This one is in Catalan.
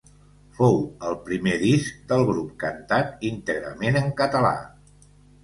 Fou el primer disc del grup cantat íntegrament en català.